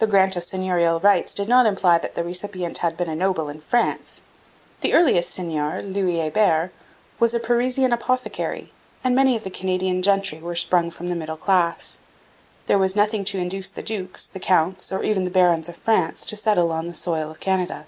The grant of seigneurial rights did not imply that the recipient had been a noble in France. The earliest seigneur, Louis Hebert, was a Parisian apothecary, and many of the Canadian gentry were sprung from the middle class. There was nothing to induce the dukes, the counts, or even the barons of France to settle on the soil of Canada.